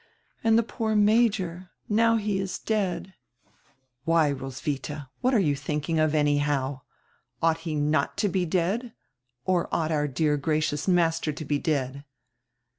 And the poor major! Now he is dead!" "Why, Roswitha, what are you thinking of anyhow? Ought he not to be dead? Or ought our dear gracious master to be dead?"